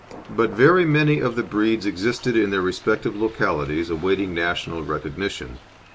But very many of the breeds existed in their respective localities awaiting national recognition.